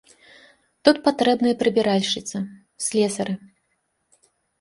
Тут патрэбныя прыбіральшчыцы, слесары.